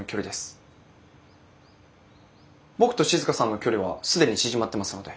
僕と静さんの距離は既に縮まってますので。